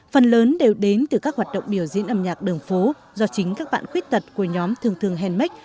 phần lớn đều đến từ các hoạt động biểu diễn âm nhạc đường phố do chính các bạn khuyết tật của nhóm thương thương handmak